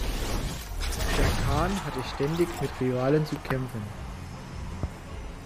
Der Khan hatte ständig mit Rivalen zu kämpfen.